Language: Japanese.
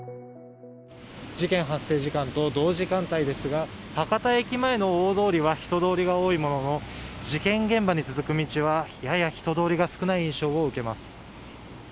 事件発生時間と同時間帯ですが、博多駅前の大通りは人通りが多いものの、事件現場に続く道は、やや人通りが少ない印象を受けます。